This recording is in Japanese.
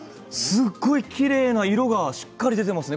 すごいきれいな色がしっかり出ていますね。